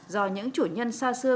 do những chủ nhân xa xưa